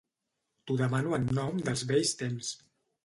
T'ho demano en nom dels vells temps.